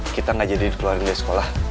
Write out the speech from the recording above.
kita gak jadi keluarga sekolah